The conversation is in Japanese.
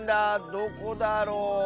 どこだろう。